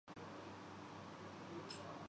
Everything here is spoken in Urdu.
کیٹالان